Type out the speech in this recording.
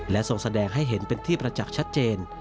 และส่งแสดงให้เป็นที่ควรประจักษ์ชัดเจน